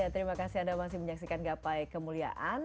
terima kasih anda masih menyaksikan gapai kemuliaan